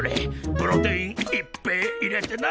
プロテインいっぺえ入れてな！